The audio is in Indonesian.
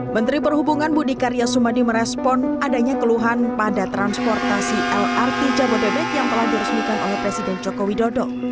menteri perhubungan budi karya sumadi merespon adanya keluhan pada transportasi lrt jabodebek yang telah diresmikan oleh presiden joko widodo